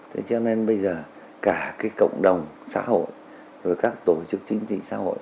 thế cho nên bây giờ cả cái cộng đồng xã hội rồi các tổ chức chính trị xã hội